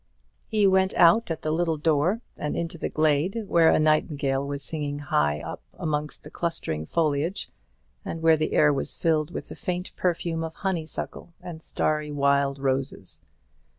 He went out at the little door, and into the glade, where a nightingale was singing high up amongst the clustering foliage, and where the air was filled with the faint perfume of honeysuckle and starry wild roses.